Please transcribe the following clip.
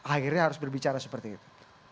akhirnya harus berbicara seperti itu